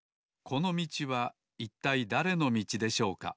このみちはいったいだれのみちでしょうか？